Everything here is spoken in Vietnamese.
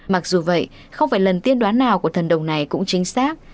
mặc dù vậy không phải lần tiên đoán nào của thần đồng này cũng chính xác